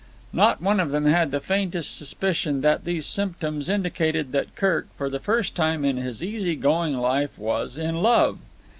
Not one of them had the faintest suspicion that these symptoms indicated that Kirk, for the first time in his easy going life, was in love.